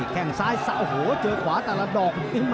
แค่งซ้ายสะโอ้โหเจอขวาแต่ละดอก